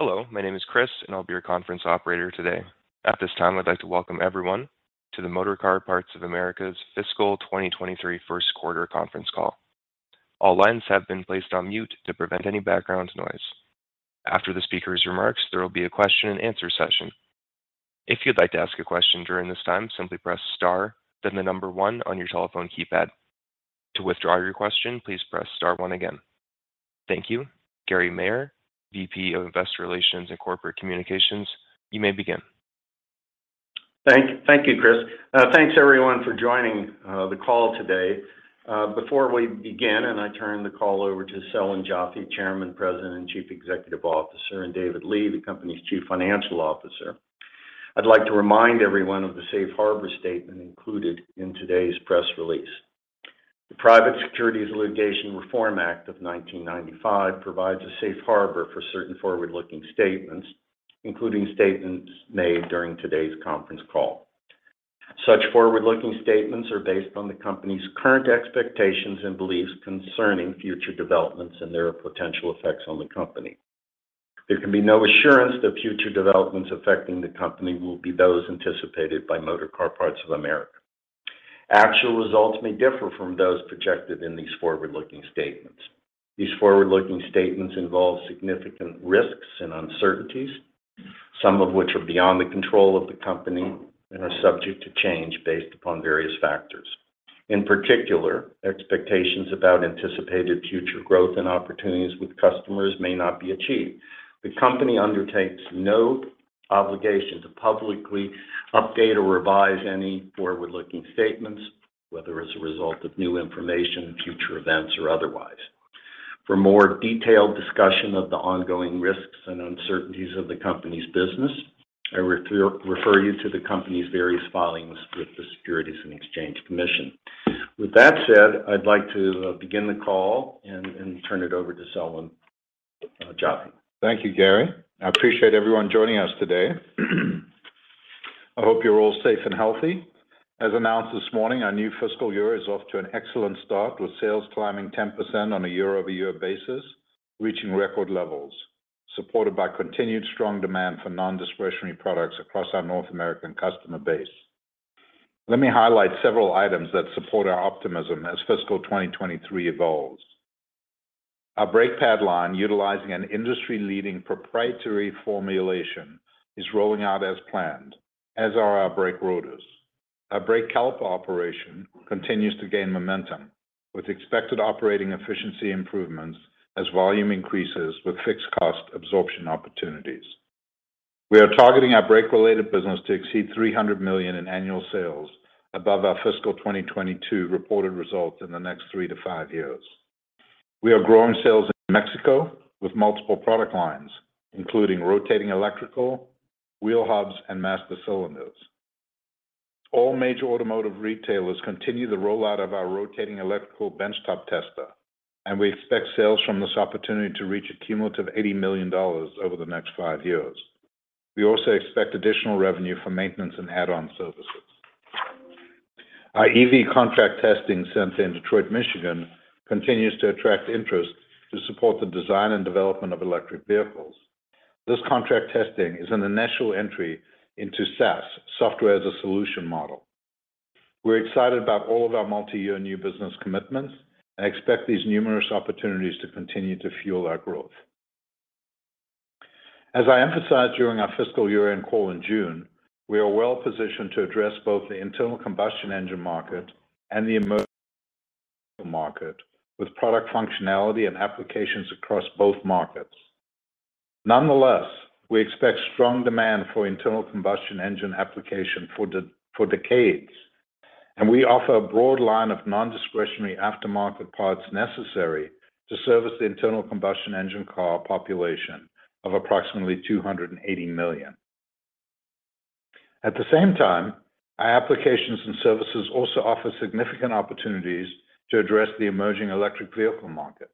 Hello, my name is Chris, and I'll be your conference operator today. At this time, I'd like to welcome everyone to the Motorcar Parts of America's Fiscal 2023 First Quarter Conference Call. All lines have been placed on mute to prevent any background noise. After the speaker's remarks, there will be a question-and-answer session. If you'd like to ask a question during this time, simply press star, then the number one on your telephone keypad. To withdraw your question, please press star one again. Thank you. Gary Maier, VP of Investor Relations and Corporate Communications, you may begin. Thank you, Chris. Thanks everyone for joining the call today. Before we begin, I turn the call over to Selwyn Joffe, Chairman, President, and Chief Executive Officer, and David Lee, the company's Chief Financial Officer. I'd like to remind everyone of the safe harbor statement included in today's press release. The Private Securities Litigation Reform Act of 1995 provides a safe harbor for certain forward-looking statements, including statements made during today's conference call. Such forward-looking statements are based on the company's current expectations and beliefs concerning future developments and their potential effects on the company. There can be no assurance that future developments affecting the company will be those anticipated by Motorcar Parts of America. Actual results may differ from those projected in these forward-looking statements. These forward-looking statements involve significant risks and uncertainties, some of which are beyond the control of the company and are subject to change based upon various factors. In particular, expectations about anticipated future growth and opportunities with customers may not be achieved. The company undertakes no obligation to publicly update or revise any forward-looking statements, whether as a result of new information, future events, or otherwise. For more detailed discussion of the ongoing risks and uncertainties of the company's business, I refer you to the company's various filings with the Securities and Exchange Commission. With that said, I'd like to begin the call and turn it over to Selwyn Joffe. Thank you, Gary. I appreciate everyone joining us today. I hope you're all safe and healthy. As announced this morning, our new fiscal year is off to an excellent start with sales climbing 10% on a year-over-year basis, reaching record levels, supported by continued strong demand for non-discretionary products across our North American customer base. Let me highlight several items that support our optimism as fiscal 2023 evolves. Our brake pads line, utilizing an industry-leading proprietary formulation, is rolling out as planned, as are our brake rotors. Our brake calipers operation continues to gain momentum, with expected operating efficiency improvements as volume increases with fixed cost absorption opportunities. We are targeting our brake-related business to exceed $300 million in annual sales above our fiscal 2022 reported results in the next three to five years. We are growing sales in Mexico with multiple product lines, including rotating electrical, wheel hubs, and master cylinders. All major automotive retailers continue the rollout of our rotating electrical bench-top tester, and we expect sales from this opportunity to reach a cumulative $80 million over the next five years. We also expect additional revenue for maintenance and add-on services. Our EV contract testing center in Detroit, Michigan, continues to attract interest to support the design and development of electric vehicles. This contract testing is an initial entry into SaaS, Software as a Service model. We're excited about all of our multiyear new business commitments and expect these numerous opportunities to continue to fuel our growth. As I emphasized during our fiscal year-end call in June, we are well-positioned to address both the internal combustion engine market and the emerging electric vehicle market with product functionality and applications across both markets. Nonetheless, we expect strong demand for internal combustion engine application for decades, and we offer a broad line of non-discretionary aftermarket parts necessary to service the internal combustion engine car population of approximately 280 million. At the same time, our applications and services also offer significant opportunities to address the emerging electric vehicle market.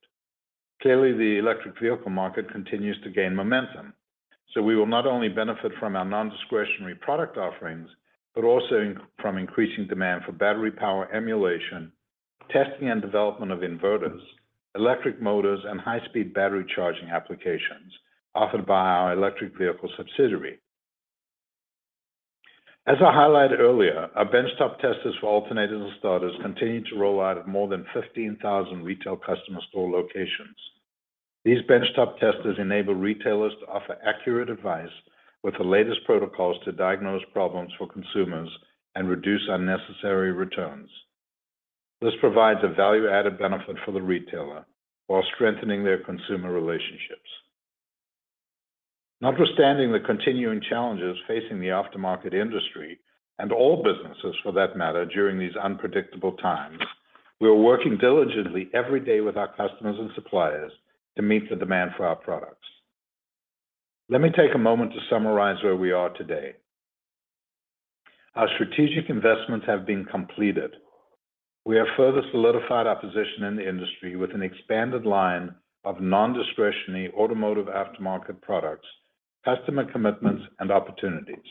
Clearly, the electric vehicle market continues to gain momentum, so we will not only benefit from our non-discretionary product offerings, but also from increasing demand for battery power emulation, testing and development of inverters, electric motors, and high-speed battery charging applications offered by our electric vehicle subsidiary. As I highlighted earlier, our bench-top testers for alternators and starters continue to roll out at more than 15,000 retail customer store locations. These bench-top testers enable retailers to offer accurate advice with the latest protocols to diagnose problems for consumers and reduce unnecessary returns. This provides a value-added benefit for the retailer while strengthening their consumer relationships. Notwithstanding the continuing challenges facing the aftermarket industry and all businesses, for that matter, during these unpredictable times, we are working diligently every day with our customers and suppliers to meet the demand for our products. Let me take a moment to summarize where we are today. Our strategic investments have been completed. We have further solidified our position in the industry with an expanded line of non-discretionary automotive aftermarket products, customer commitments, and opportunities.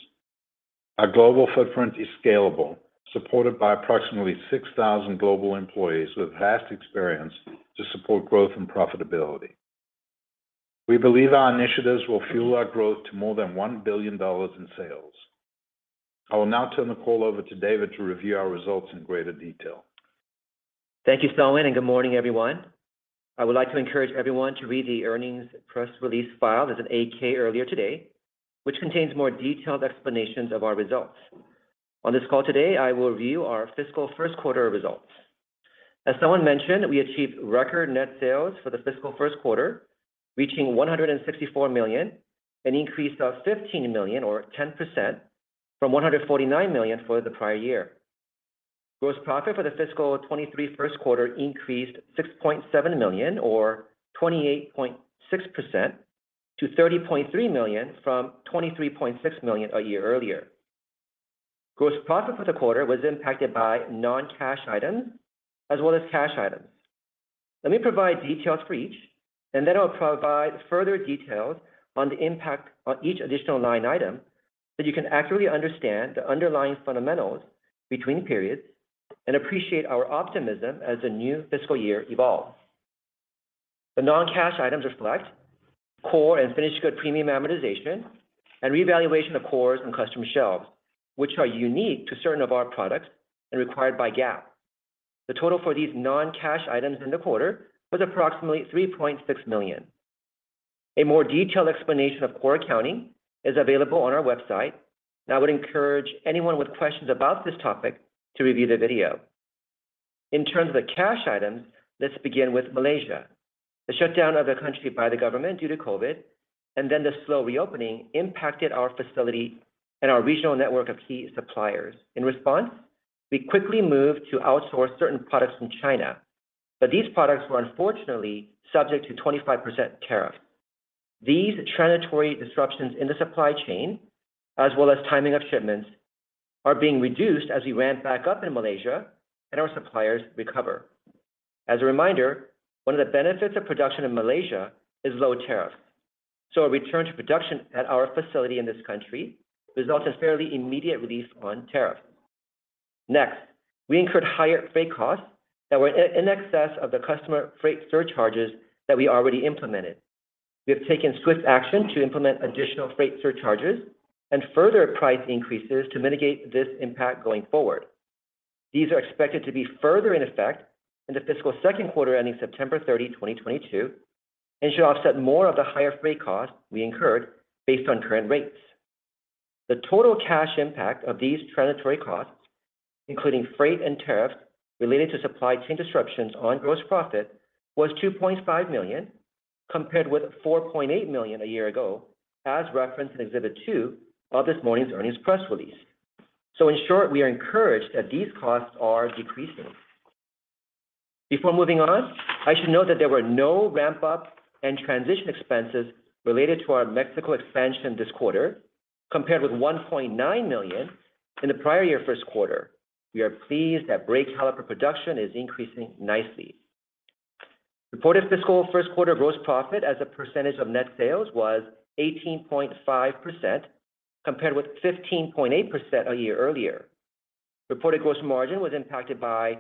Our global footprint is scalable, supported by approximately 6,000 global employees with vast experience to support growth and profitability. We believe our initiatives will fuel our growth to more than $1 billion in sales. I will now turn the call over to David to review our results in greater detail. Thank you, Selwyn, and good morning, everyone. I would like to encourage everyone to read the earnings press release filed as an 8-K earlier today, which contains more detailed explanations of our results. On this call today, I will review our fiscal first quarter results. As Selwyn mentioned, we achieved record net sales for the fiscal first quarter, reaching $164 million, an increase of $15 million or 10% from $149 million for the prior year. Gross profit for the fiscal 2023 first quarter increased $6.7 million or 28.6% to $30.3 million from $23.6 million a year earlier. Gross profit for the quarter was impacted by non-cash items as well as cash items. Let me provide details for each, and then I'll provide further details on the impact on each additional line item, so you can accurately understand the underlying fundamentals between periods and appreciate our optimism as the new fiscal year evolves. The non-cash items reflect core and finished goods premium amortization and revaluation of cores and customer shelves, which are unique to certain of our products and required by GAAP. The total for these non-cash items in the quarter was approximately $3.6 million. A more detailed explanation of core accounting is available on our website, and I would encourage anyone with questions about this topic to review the video. In terms of cash items, let's begin with Malaysia. The shutdown of the country by the government due to COVID, and then the slow reopening impacted our facility and our regional network of key suppliers. In response, we quickly moved to outsource certain products from China, but these products were unfortunately subject to 25% tariff. These transitory disruptions in the supply chain, as well as timing of shipments, are being reduced as we ramp back up in Malaysia and our suppliers recover. As a reminder, one of the benefits of production in Malaysia is low tariff. A return to production at our facility in this country results in fairly immediate relief on tariff. Next, we incurred higher freight costs that were in excess of the customer freight surcharges that we already implemented. We have taken swift action to implement additional freight surcharges and further price increases to mitigate this impact going forward. These are expected to be further in effect in the fiscal second quarter ending September 30, 2022, and should offset more of the higher freight costs we incurred based on current rates. The total cash impact of these transitory costs, including freight and tariffs related to supply chain disruptions on gross profit, was $2.5 million, compared with $4.8 million a year ago, as referenced in Exhibit 2 of this morning's earnings press release. In short, we are encouraged that these costs are decreasing. Before moving on, I should note that there were no ramp-up and transition expenses related to our Mexico expansion this quarter, compared with $1.9 million in the prior year first quarter. We are pleased that brake caliper production is increasing nicely. Reported fiscal first quarter gross profit as a percentage of net sales was 18.5%, compared with 15.8% a year earlier. Reported gross margin was impacted by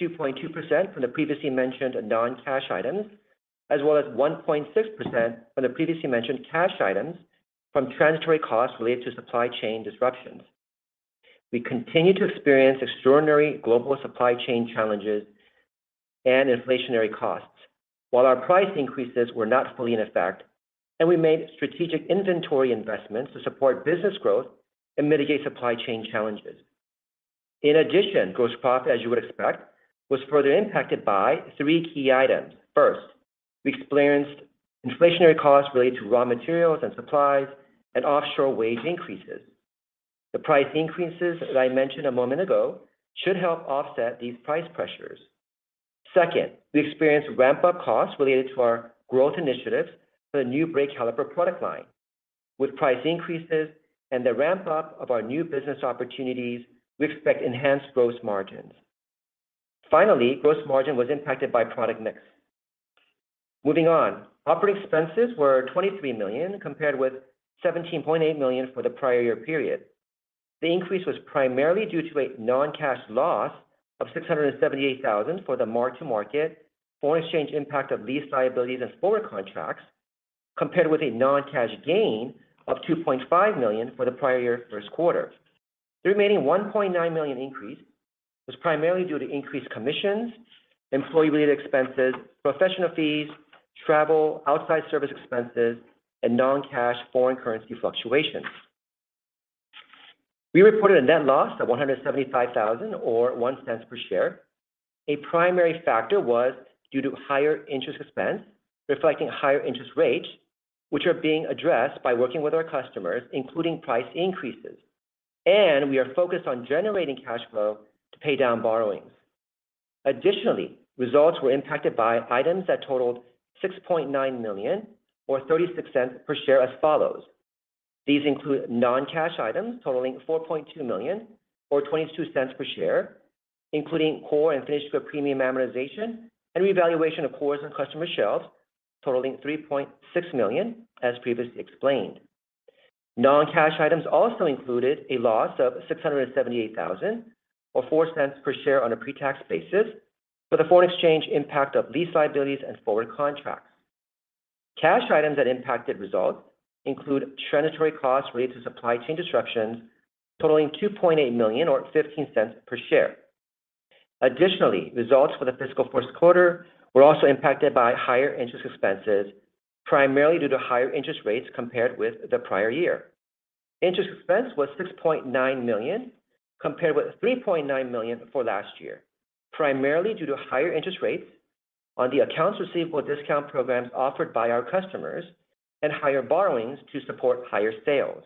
2.2% from the previously mentioned non-cash items, as well as 1.6% from the previously mentioned cash items from transitory costs related to supply chain disruptions. We continue to experience extraordinary global supply chain challenges and inflationary costs, while our price increases were not fully in effect, and we made strategic inventory investments to support business growth and mitigate supply chain challenges. In addition, gross profit, as you would expect, was further impacted by three key items. First, we experienced inflationary costs related to raw materials and supplies and offshore wage increases. The price increases that I mentioned a moment ago should help offset these price pressures. Second, we experienced ramp-up costs related to our growth initiatives for the new brake caliper product line. With price increases and the ramp-up of our new business opportunities, we expect enhanced gross margins. Finally, gross margin was impacted by product mix. Moving on. Operating expenses were $23 million, compared with $17.8 million for the prior year period. The increase was primarily due to a non-cash loss of $678,000 for the mark-to-market foreign exchange impact of lease liabilities and forward contracts, compared with a non-cash gain of $2.5 million for the prior year first quarter. The remaining $1.9 million increase was primarily due to increased commissions, employee-related expenses, professional fees, travel, outside service expenses, and non-cash foreign currency fluctuations. We reported a net loss of $175,000 or $0.01 per share. A primary factor was due to higher interest expense, reflecting higher interest rates, which are being addressed by working with our customers, including price increases. We are focused on generating cash flow to pay down borrowings. Additionally, results were impacted by items that totaled $6.9 million or $0.36 per share as follows. These include non-cash items totaling $4.2 million or $0.22 per share, including core and finished premium amortization and revaluation of cores and customer shelves totaling $3.6 million, as previously explained. Non-cash items also included a loss of $678,000, or $0.04 per share on a pre-tax basis for the foreign exchange impact of lease liabilities and forward contracts. Cash items that impacted results include transitory costs related to supply chain disruptions totaling $2.8 million or $0.15 per share. Additionally, results for the fiscal first quarter were also impacted by higher interest expenses, primarily due to higher interest rates compared with the prior year. Interest expense was $6.9 million, compared with $3.9 million for last year, primarily due to higher interest rates on the accounts receivable discount programs offered by our customers and higher borrowings to support higher sales.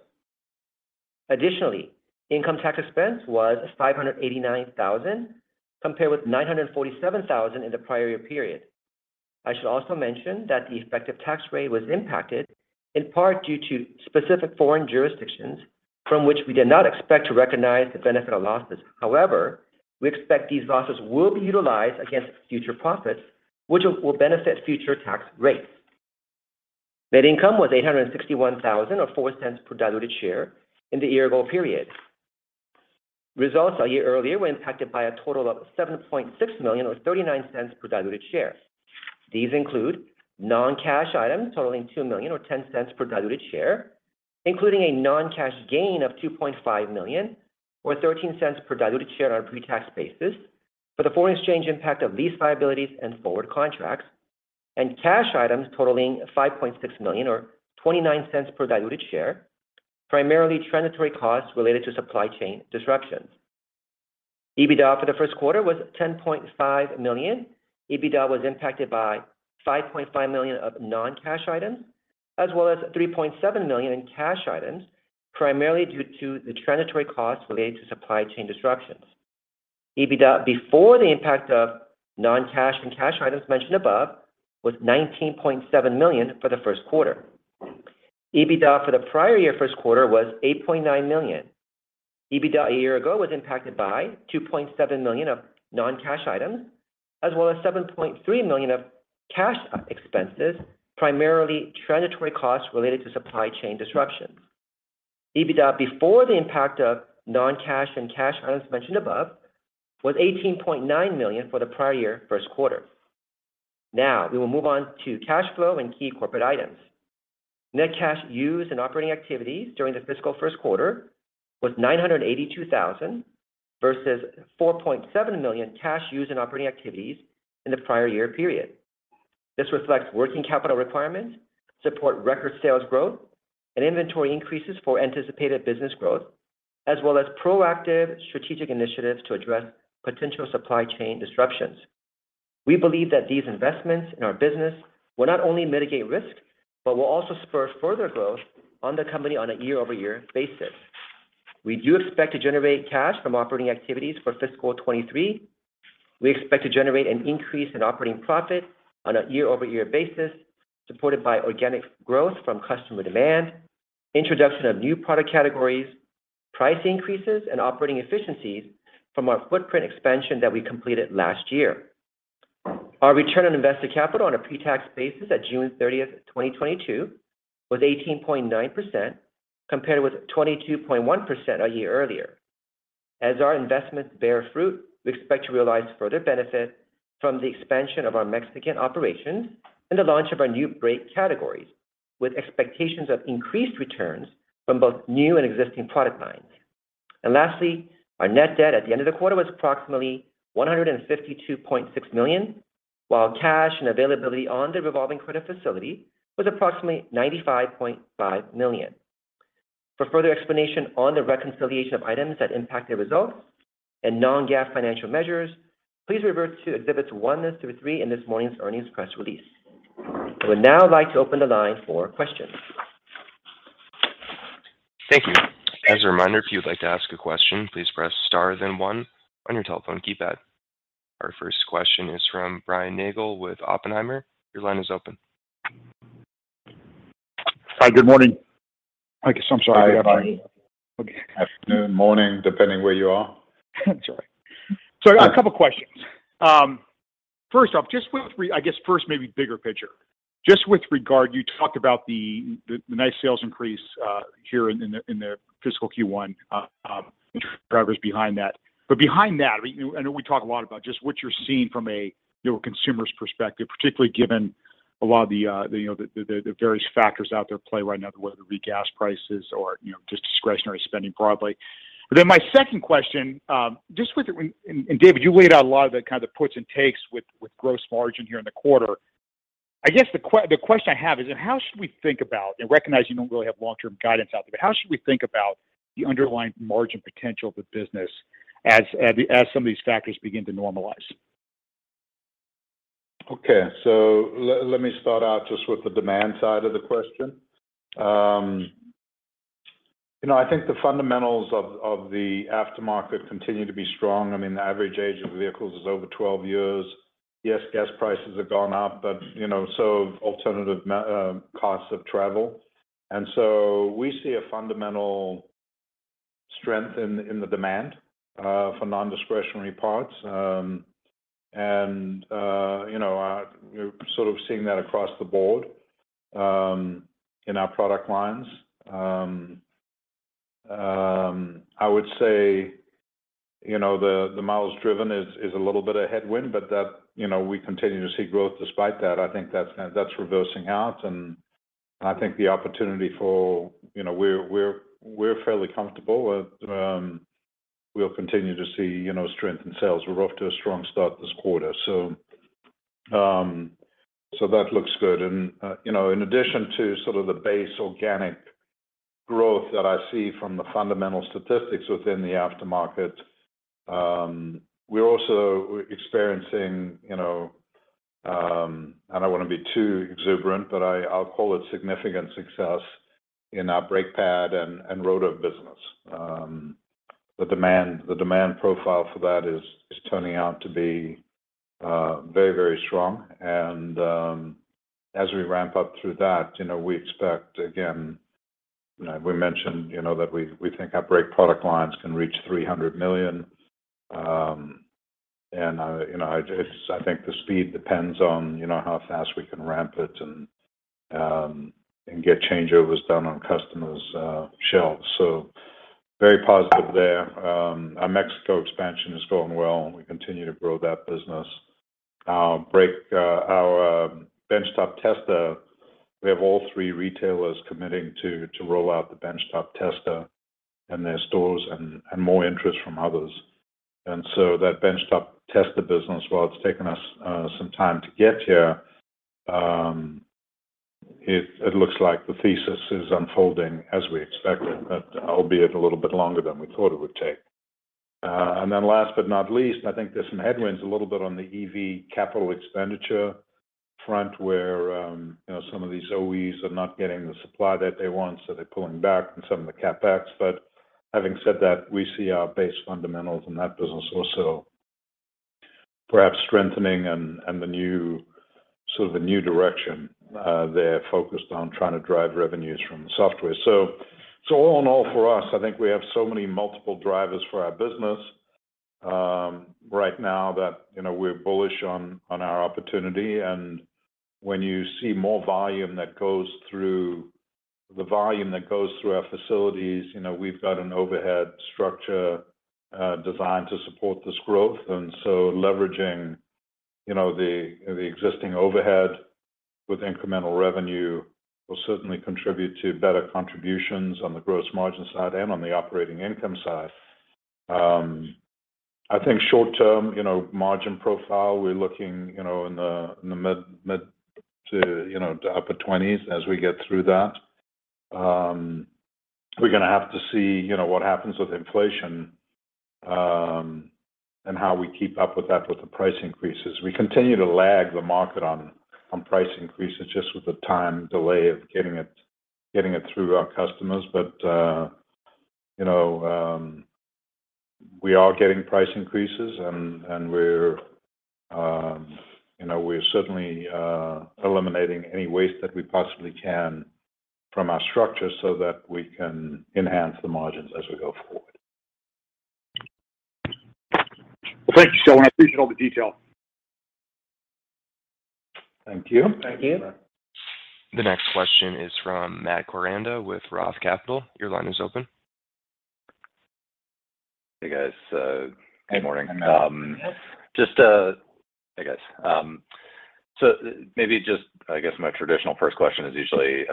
Additionally, income tax expense was $589,000, compared with $947,000 in the prior year period. I should also mention that the effective tax rate was impacted in part due to specific foreign jurisdictions from which we did not expect to recognize the benefit of losses. However, we expect these losses will be utilized against future profits, which will benefit future tax rates. Net income was $861,000 or $0.04 per diluted share in the year-ago period. Results a year earlier were impacted by a total of $7.6 million or $0.39 per diluted share. These include non-cash items totaling $2 million or $0.10 per diluted share, including a non-cash gain of $2.5 million or $0.13 per diluted share on a pre-tax basis for the foreign exchange impact of lease liabilities and forward contracts. Cash items totaling $5.6 million or $0.29 per diluted share, primarily transitory costs related to supply chain disruptions. EBITDA for the first quarter was $10.5 million. EBITDA was impacted by $5.5 million of non-cash items as well as $3.7 million in cash items, primarily due to the transitory costs related to supply chain disruptions. EBITDA before the impact of non-cash and cash items mentioned above was $19.7 million for the first quarter. EBITDA for the prior year first quarter was $8.9 million. EBITDA a year ago was impacted by $2.7 million of non-cash items as well as $7.3 million of cash expenses, primarily transitory costs related to supply chain disruptions. EBITDA before the impact of non-cash and cash items mentioned above was $18.9 million for the prior year first quarter. Now we will move on to cash flow and key corporate items. Net cash used in operating activities during the fiscal first quarter was $982,000 versus $4.7 million cash used in operating activities in the prior year period. This reflects working capital requirements, support record sales growth and inventory increases for anticipated business growth, as well as proactive strategic initiatives to address potential supply chain disruptions. We believe that these investments in our business will not only mitigate risk, but will also spur further growth on the company on a year-over-year basis. We do expect to generate cash from operating activities for fiscal 2023. We expect to generate an increase in operating profit on a year-over-year basis, supported by organic growth from customer demand, introduction of new product categories, price increases and operating efficiencies from our footprint expansion that we completed last year. Our return on invested capital on a pre-tax basis at June 30th, 2022 was 18.9%, compared with 22.1% a year earlier. As our investments bear fruit, we expect to realize further benefit from the expansion of our Mexican operations and the launch of our new brake categories, with expectations of increased returns from both new and existing product lines. Lastly, our net debt at the end of the quarter was approximately $152.6 million, while cash and availability on the revolving credit facility was approximately $95.5 million. For further explanation on the reconciliation of items that impacted results and non-GAAP financial measures, please refer to Exhibits 1 through 3 in this morning's earnings press release. I would now like to open the line for questions. Thank you. As a reminder, if you would like to ask a question, please press star then one on your telephone keypad. Our first question is from Brian Nagel with Oppenheimer. Your line is open. Hi. Good morning. I guess I'm sorry. Hi, Brian. Okay. Afternoon, morning, depending where you are. Sorry. A couple questions. First off, I guess first maybe bigger picture. Just with regard, you talked about the nice sales increase here in the fiscal Q1, drivers behind that. Behind that, I mean, I know we talk a lot about just what you're seeing from a you know, a consumer's perspective, particularly given a lot of the you know, the various factors out there at play right now, whether it be gas prices or you know, just discretionary spending broadly. Then my second question, just with and David, you laid out a lot of the kind of the puts and takes with gross margin here in the quarter. I guess the question I have is how should we think about, and recognize you don't really have long-term guidance out there, but how should we think about the underlying margin potential of the business as some of these factors begin to normalize? Okay. Let me start out just with the demand side of the question, you know, I think the fundamentals of the aftermarket continue to be strong. I mean, the average age of vehicles is over 12 years. Yes, gas prices have gone up, but, you know, so have alternative costs of travel. We see a fundamental strength in the demand for non-discretionary parts, and, you know, we're sort of seeing that across the board in our product lines. I would say, you know, the miles driven is a little bit of headwind, but that, you know, we continue to see growth despite that. I think that's reversing out, and, you know, we're fairly comfortable with we'll continue to see, you know, strength in sales. We're off to a strong start this quarter, so that looks good. And, you know, in addition to sort of the base organic growth that I see from the fundamental statistics within the aftermarket, we're also experiencing, you know, and I don't wanna be too exuberant, but I'll call it significant success in our brake pad and rotor business. The demand profile for that is turning out to be very, very strong and, as we ramp up through that, you know, we expect again, you know, we mentioned, you know, that we think our brake product lines can reach $300 million, and, you know, I think the speed depends on, you know, how fast we can ramp it and get changeovers done on customers' shelves. Very positive there. Our Mexico expansion is going well. We continue to grow that business. Our bench-top tester, we have all three retailers committing to roll out the bench-top tester in their stores and more interest from others. That bench-top tester business, while it's taken us some time to get here, it looks like the thesis is unfolding as we expected, but albeit a little bit longer than we thought it would take. Last but not least, I think there's some headwinds a little bit on the EV capital expenditure front where you know some of these OEs are not getting the supply that they want, so they're pulling back on some of the CapEx. Having said that, we see our base fundamentals in that business also perhaps strengthening and sort of a new direction. They're focused on trying to drive revenues from the software. All in all for us, I think we have so many multiple drivers for our business right now that, you know, we're bullish on our opportunity. When you see more volume that goes through our facilities, you know, we've got an overhead structure designed to support this growth. Leveraging, you know, the existing overhead with incremental revenue will certainly contribute to better contributions on the gross margin side and on the operating income side. I think short term, you know, margin profile, we're looking, you know, in the mid- to upper 20s% as we get through that. We're gonna have to see, you know, what happens with inflation and how we keep up with that with the price increases. We continue to lag the market on price increases just with the time delay of getting it through our customers. But, you know, we are getting price increases and we're you know, we're certainly eliminating any waste that we possibly can from our structure so that we can enhance the margins as we go forward. Well, thank you so much. I appreciate all the detail. Thank you. Thank you. The next question is from Matt Koranda with Roth Capital Partners. Your line is open. Hey, guys. Good morning. Hey, Matt. Hey, guys. Maybe just I guess my traditional first question is usually,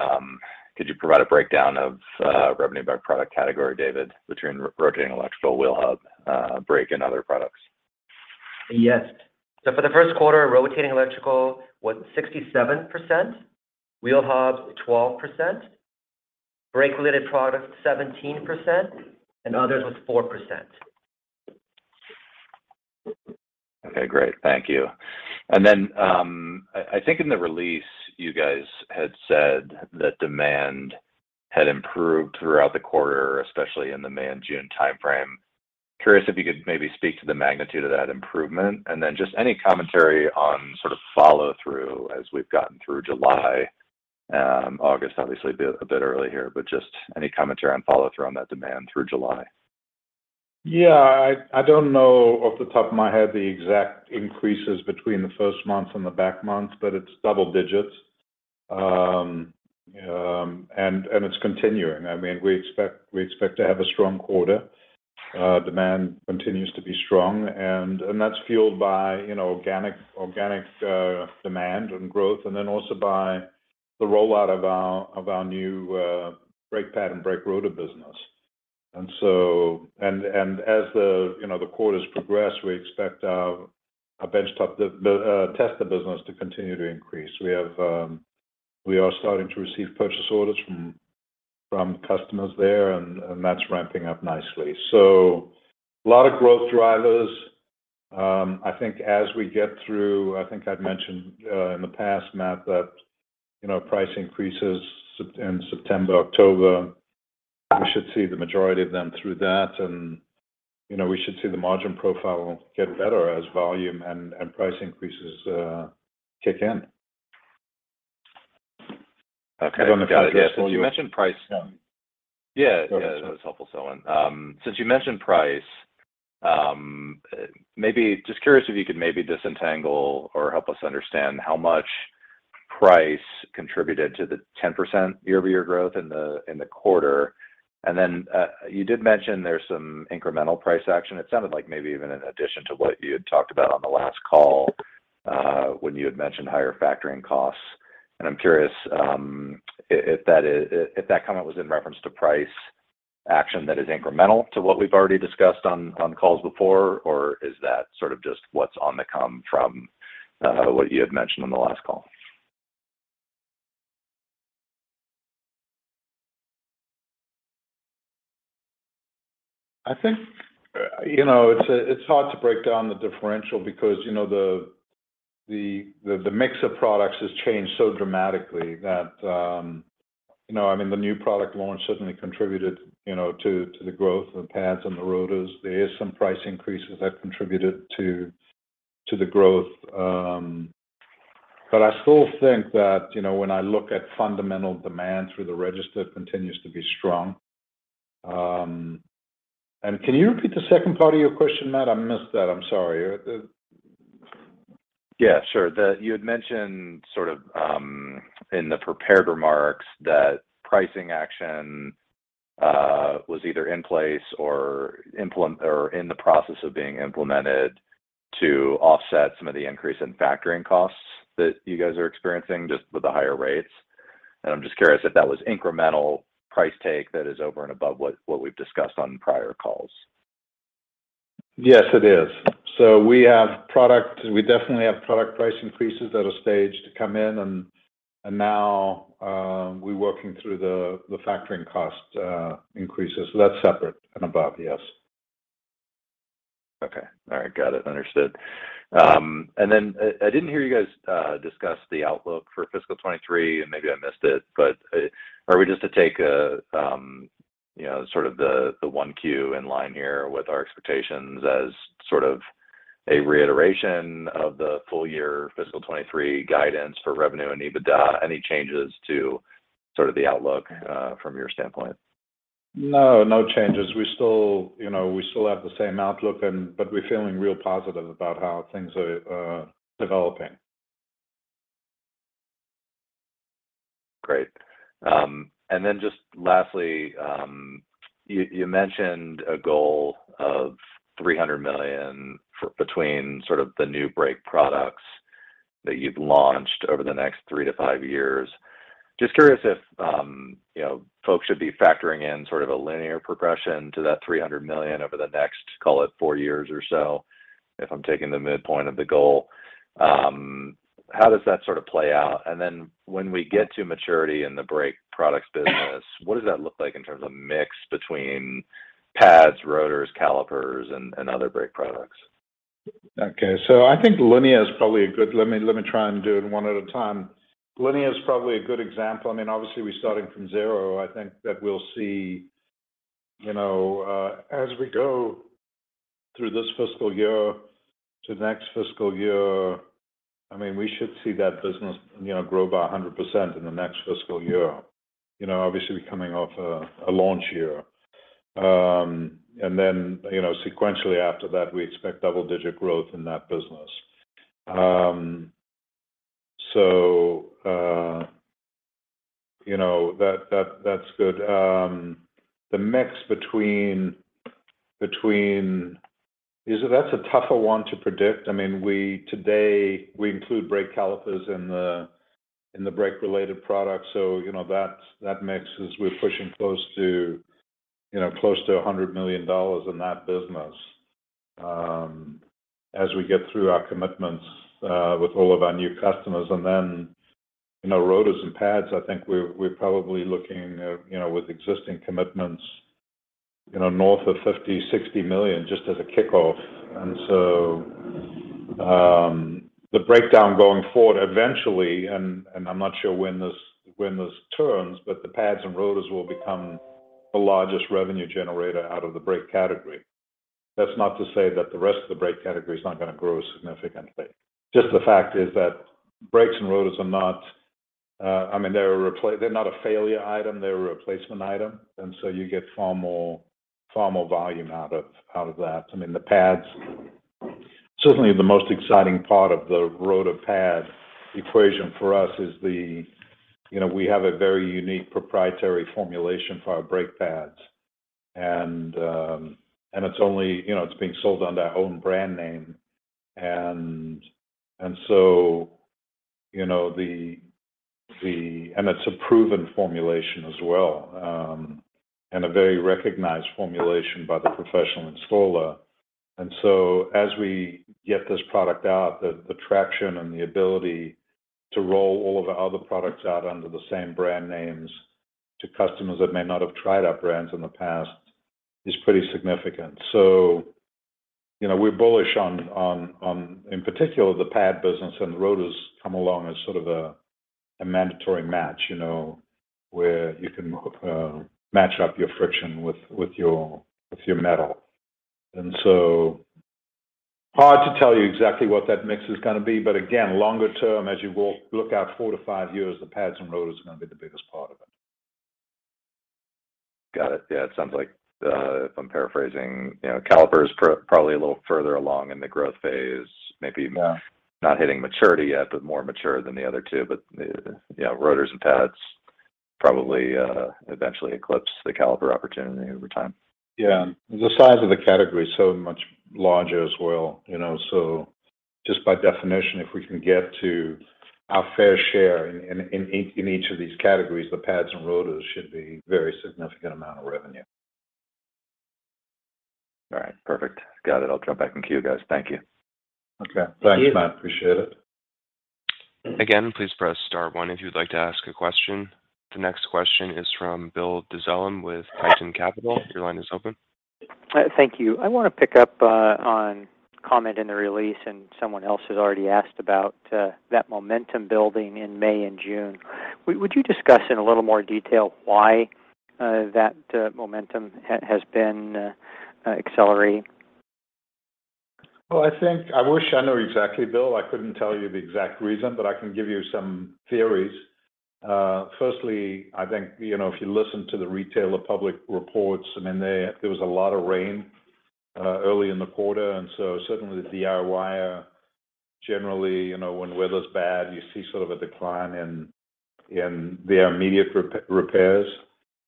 could you provide a breakdown of revenue by product category, David, between rotating electrical, wheel hub, brake and other products? Yes. For the first quarter, rotating electrical was 67%, wheel hubs 12%, brake related products 17%, and others was 4%. Okay, great. Thank you. I think in the release you guys had said that demand had improved throughout the quarter, especially in the May and June timeframe. Curious if you could maybe speak to the magnitude of that improvement. Just any commentary on sort of follow through as we've gotten through July, August, obviously a bit early here, but just any commentary on follow through on that demand through July. Yeah. I don't know off the top of my head the exact increases between the first month and the back month, but it's double digits. It's continuing. I mean, we expect to have a strong quarter. Demand continues to be strong and that's fueled by, you know, organic demand and growth and then also by the rollout of our new brake pad and brake rotor business. As the quarters progress, we expect our bench-top tester business to continue to increase. We are starting to receive purchase orders from customers there and that's ramping up nicely. A lot of growth drivers. I think as we get through, I think I'd mentioned in the past, Matt, that, you know, price increases in September, October, we should see the majority of them through that, and, you know, we should see the margin profile get better as volume and price increases kick in. Okay. Got it. Yeah. Since you mentioned price- Um- Yeah, yeah. Go ahead, sorry. That was helpful, Selwyn. Since you mentioned price, maybe just curious if you could maybe disentangle or help us understand how much price contributed to the 10% year-over-year growth in the quarter. You did mention there's some incremental price action. It sounded like maybe even in addition to what you had talked about on the last call, when you had mentioned higher factoring costs. I'm curious, if that comment was in reference to price action that is incremental to what we've already discussed on calls before, or is that sort of just what's on the come from what you had mentioned on the last call? I think, you know, it's hard to break down the differential because, you know, the mix of products has changed so dramatically that, you know, I mean, the new product launch certainly contributed, you know, to the growth of the pads and the rotors. There is some price increases that contributed to the growth. I still think that, you know, when I look at fundamental demand through the register, it continues to be strong. Can you repeat the second part of your question, Matt? I missed that. I'm sorry. Yeah, sure. You had mentioned sort of in the prepared remarks that pricing action was either in place or in the process of being implemented to offset some of the increase in factoring costs that you guys are experiencing just with the higher rates. I'm just curious if that was incremental price take that is over and above what we've discussed on prior calls. Yes, it is. We have product price increases that are staged to come in and now we're working through the factoring cost increases. That's separate and above, yes. Okay. All right. Got it. Understood. Then I didn't hear you guys discuss the outlook for fiscal 2023, and maybe I missed it. Are we just to take you know sort of the Q1 in line here with our expectations as sort of a reiteration of the full year fiscal 2023 guidance for revenue and EBITDA? Any changes to sort of the outlook from your standpoint? No. No changes. We still, you know, have the same outlook but we're feeling real positive about how things are developing. Great. Just lastly, you mentioned a goal of $300 million for the new brake products that you've launched over the next three to five years. Just curious if, you know, folks should be factoring in sort of a linear progression to that $300 million over the next, call it, four years or so, if I'm taking the midpoint of the goal. How does that sort of play out? When we get to maturity in the brake products business, what does that look like in terms of mix between pads, rotors, calipers, and other brake products? Okay. I think linear is probably a good example. Let me try and do it one at a time. Linear is probably a good example. I mean, obviously, we're starting from zero. I think that we'll see, you know, as we go through this fiscal year to next fiscal year, I mean, we should see that business, you know, grow by 100% in the next fiscal year, you know, obviously, we're coming off a launch year. Then, you know, sequentially after that, we expect double-digit growth in that business. So, you know, that's good. The mix between, you know, that's a tougher one to predict. I mean, we today, we include brake calipers in the brake-related products, so you know, that mix is we're pushing close to $100 million in that business as we get through our commitments with all of our new customers. Rotors and pads, I think we're probably looking you know, with existing commitments, you know, north of $50 million, $60 million just as a kickoff. The breakdown going forward eventually, and I'm not sure when this turns, but the pads and rotors will become the largest revenue generator out of the brake category. That's not to say that the rest of the brake category is not gonna grow significantly. Just the fact is that brakes and rotors are not, I mean, they're not a failure item, they're a replacement item, and so you get far more volume out of that. I mean, the pads, certainly the most exciting part of the rotor pad equation for us is the, you know, we have a very unique proprietary formulation for our brake pads, and it's only you know, it's being sold under our own brand name. It's a proven formulation as well, and a very recognized formulation by the professional installer. As we get this product out, the traction and the ability to roll all of our other products out under the same brand names to customers that may not have tried our brands in the past is pretty significant. You know, we're bullish on, in particular, the pad business, and the rotors come along as sort of a mandatory match, you know, where you can match up your friction with your metal. Hard to tell you exactly what that mix is gonna be, but again, longer term, as you will look out four to five years, the pads and rotors are gonna be the biggest part of it. Got it. Yeah, it sounds like, if I'm paraphrasing, you know, calipers probably a little further along in the growth phase... Yeah. not hitting maturity yet, but more mature than the other two. Rotors and pads probably eventually eclipse the caliper opportunity over time. Yeah. The size of the category is so much larger as well, you know, so just by definition, if we can get to our fair share in each of these categories, the pads and rotors should be very significant amount of revenue. All right. Perfect. Got it. I'll drop back in queue, guys. Thank you. Okay. Thank you. Thanks, Matt. Appreciate it. Again, please press star one if you'd like to ask a question. The next question is from Bill Dezellem with Tieton Capital Management. Your line is open. Thank you. I wanna pick up on comment in the release, and someone else has already asked about that momentum building in May and June. Would you discuss in a little more detail why that momentum has been accelerating? Well, I think I wish I knew exactly, Bill. I couldn't tell you the exact reason, but I can give you some theories. Firstly, I think, you know, if you listen to the retailer public reports, I mean, they. There was a lot of rain early in the quarter, and so certainly DIYers are generally, you know, when weather's bad, you see sort of a decline in their immediate repairs.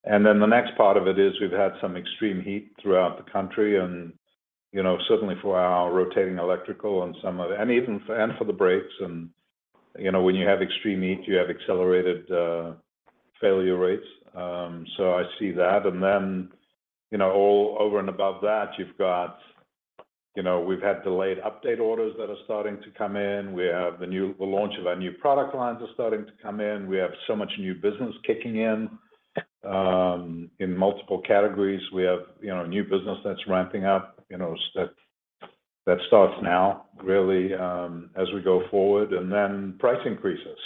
Then the next part of it is we've had some extreme heat throughout the country and, you know, certainly for our rotating electrical and for the brakes and, you know, when you have extreme heat, you have accelerated failure rates, so I see that. You know, all over and above that, you've got, you know, we've had delayed update orders that are starting to come in. We have the launch of our new product lines are starting to come in. We have so much new business kicking in multiple categories. We have, you know, new business that's ramping up, you know, that starts now, really, as we go forward, and then price increases.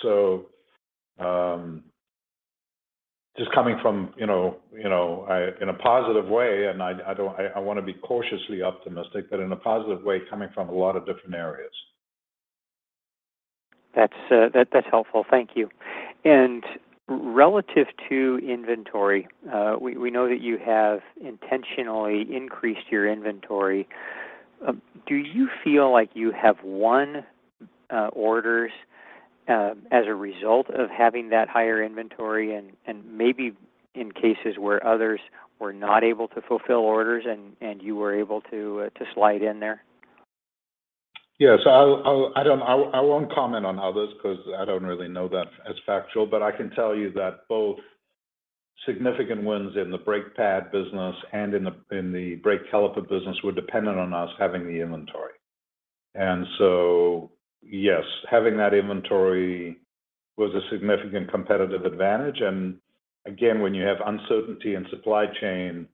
Just coming from, you know, in a positive way, and I wanna be cautiously optimistic, but in a positive way, coming from a lot of different areas. That's helpful. Thank you. Relative to inventory, we know that you have intentionally increased your inventory. Do you feel like you have won orders as a result of having that higher inventory and maybe in cases where others were not able to fulfill orders and you were able to slide in there? Yeah. I won't comment on others 'cause I don't really know that as factual, but I can tell you that both significant wins in the brake pad business and in the brake caliper business were dependent on us having the inventory. Again, when you have uncertainty in supply chain,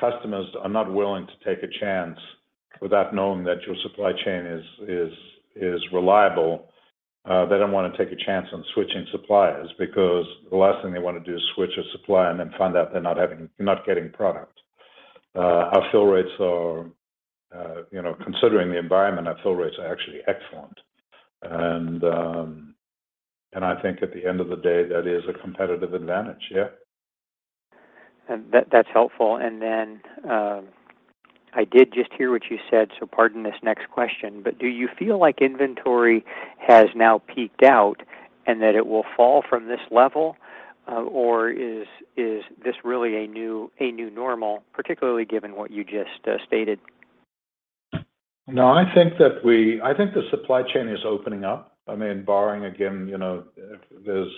customers are not willing to take a chance without knowing that your supply chain is reliable. They don't wanna take a chance on switching suppliers because the last thing they wanna do is switch a supplier and then find out they're not getting product. Our fill rates are. Considering the environment, our fill rates are actually excellent. I think at the end of the day, that is a competitive advantage. Yeah. That, that's helpful. I did just hear what you said, so pardon this next question, but do you feel like inventory has now peaked out, and that it will fall from this level? Or is this really a new normal, particularly given what you just stated? No, I think the supply chain is opening up. I mean, barring again, you know, if there's,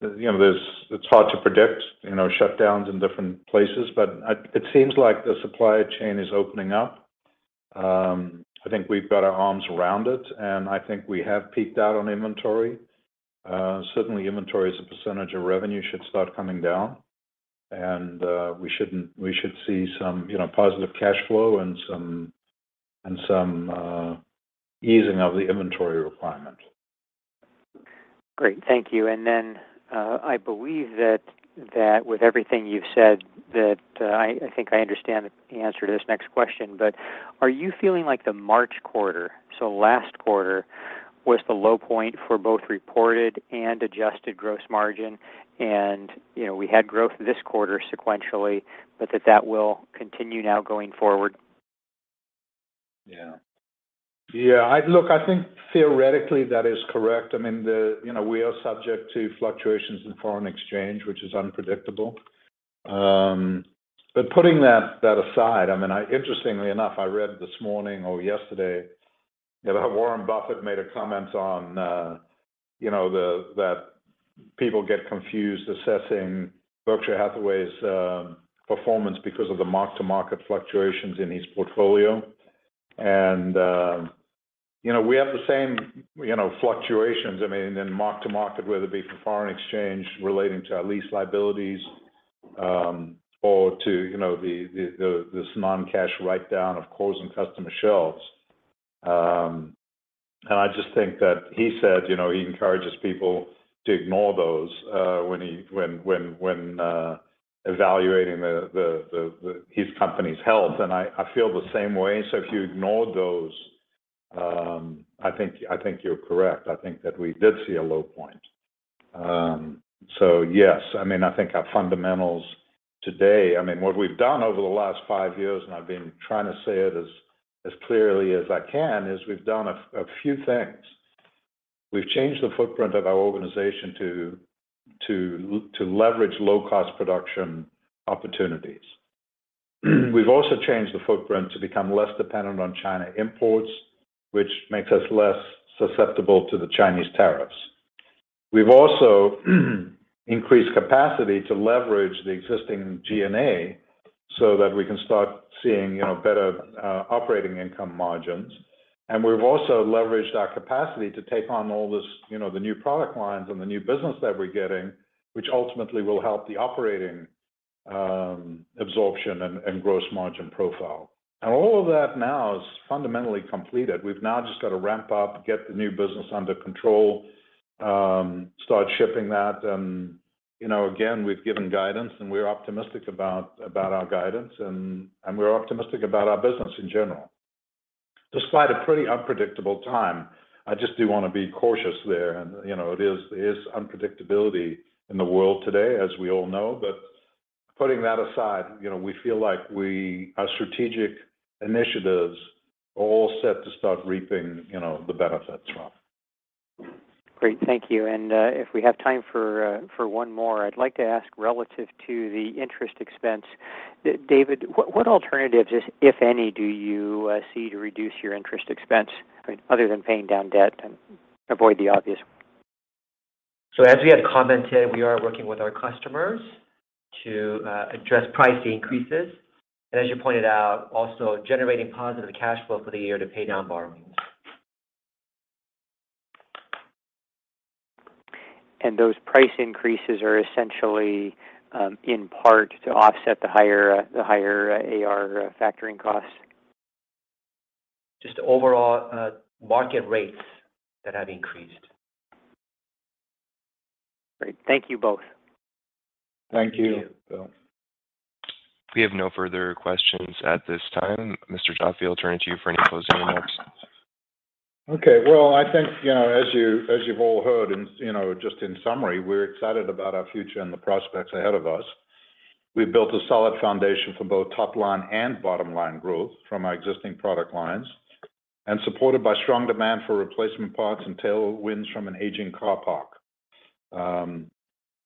you know, it's hard to predict, you know, shutdowns in different places, but it seems like the supply chain is opening up. I think we've got our arms around it, and I think we have peaked out on inventory. Certainly inventory as a percentage of revenue should start coming down, and we should see some, you know, positive cash flow and some easing of the inventory requirement. Great. Thank you. I believe that with everything you've said, I think I understand the answer to this next question, but are you feeling like the March quarter, so last quarter, was the low point for both reported and adjusted gross margin? We had growth this quarter sequentially, but that will continue now going forward. Yeah. Yeah. Look, I think theoretically that is correct. I mean, you know, we are subject to fluctuations in foreign exchange, which is unpredictable. But putting that aside, I mean, interestingly enough, I read this morning or yesterday that Warren Buffett made a comment on that people get confused assessing Berkshire Hathaway's performance because of the mark-to-market fluctuations in his portfolio. We have the same fluctuations in mark-to-market, whether it be for foreign exchange relating to our lease liabilities or to the non-cash write-down of closing customer shelves. I just think that he said, you know, he encourages people to ignore those, when evaluating the his company's health, and I feel the same way. If you ignore those, I think you're correct. I think that we did see a low point. Yes. I mean, I think our fundamentals today, I mean, what we've done over the last five years, and I've been trying to say it as clearly as I can, is we've done a few things. We've changed the footprint of our organization to leverage low-cost production opportunities. We've also changed the footprint to become less dependent on China imports, which makes us less susceptible to the Chinese tariffs. We've also increased capacity to leverage the existing G&A so that we can start seeing, you know, better operating income margins. We've also leveraged our capacity to take on all this, you know, the new product lines and the new business that we're getting, which ultimately will help the operating absorption and gross margin profile. All of that now is fundamentally completed. We've now just got to ramp up, get the new business under control, start shipping that, and, you know, again, we've given guidance, and we're optimistic about our guidance and we're optimistic about our business in general. Despite a pretty unpredictable time, I just do wanna be cautious there, you know, it is unpredictability in the world today, as we all know. Putting that aside, you know, we feel like our strategic initiatives are all set to start reaping, you know, the benefits from. Great. Thank you. If we have time for one more, I'd like to ask relative to the interest expense. David, what alternatives, if any, do you see to reduce your interest expense other than paying down debt and avoid the obvious? As we had commented, we are working with our customers to address price increases, and as you pointed out, also generating positive cash flow for the year to pay down borrowings. Those price increases are essentially in part to offset the higher AR factoring costs? Just overall, market rates that have increased. Great. Thank you both. Thank you, Bill. Thank you. We have no further questions at this time. Mr. Joffe, I'll turn it to you for any closing remarks. Okay. Well, I think, you know, as you've all heard and, you know, just in summary, we're excited about our future and the prospects ahead of us. We've built a solid foundation for both top line and bottom line growth from our existing product lines, and supported by strong demand for replacement parts and tailwinds from an aging car parc.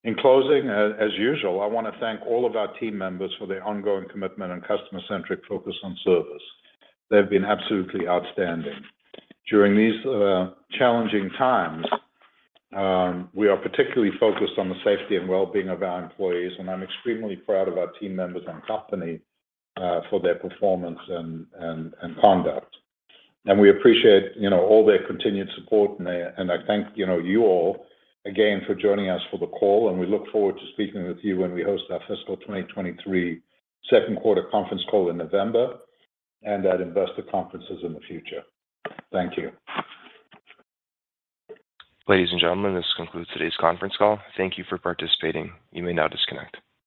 In closing, as usual, I wanna thank all of our team members for their ongoing commitment and customer-centric focus on service. They've been absolutely outstanding. During these challenging times, we are particularly focused on the safety and wellbeing of our employees, and I'm extremely proud of our team members and company for their performance and conduct. We appreciate, you know, all their continued support. I thank, you know, you all again for joining us for the call, and we look forward to speaking with you when we host our fiscal 2023 second quarter conference call in November and at investor conferences in the future. Thank you. Ladies, and gentlemen, this concludes today's conference call. Thank you for participating. You may now disconnect.